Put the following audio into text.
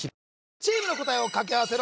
チームの答えをかけ合わせろ！